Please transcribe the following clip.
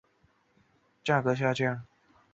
黄金肥蛛为园蛛科肥蛛属的动物。